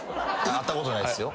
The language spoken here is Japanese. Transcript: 会ったことないですよ。